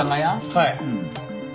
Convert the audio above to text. はい。